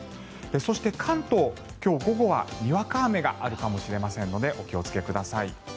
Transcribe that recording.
そして、関東、今日午後はにわか雨があるかもしれませんのでお気をつけください。